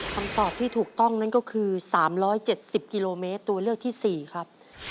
คำตอบที่ถูกต้องนั่นก็คือ๓๗๐กิโลเมตรตัวเลือกที่๔ครับ